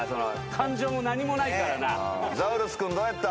感情も何もないからな。